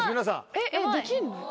えっできんの？